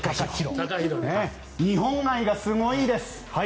日本愛がすごいです。